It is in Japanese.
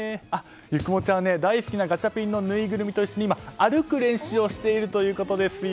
結雲ちゃんは大好きなガチャピンのぬいぐるみと一緒に歩く練習をしているということですよ。